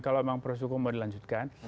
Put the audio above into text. kalau memang proses hukum mau dilanjutkan